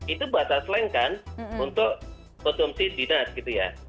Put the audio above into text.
itu bahasa slang kan untuk konsumsi dinas gitu ya